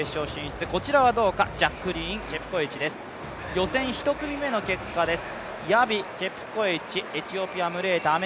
予選１組目の結果です。